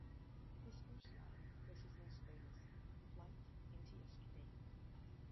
His first novel was his most famous, "Flight into Yesterday".